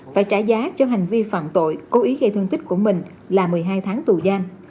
phải trả giá cho hành vi phạm tội cố ý gây thương tích của mình là một mươi hai tháng tù giam